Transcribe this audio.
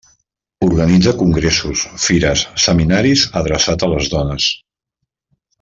Organitza congressos, fires, seminaris adreçats a les dones.